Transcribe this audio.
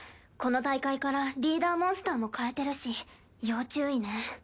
この大会からリーダーモンスターも変えてるし要注意ね。